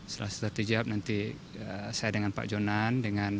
setelah setertijab nanti saya dengan pak jonan